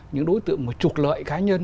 những đối tượng mà trục lợi cá nhân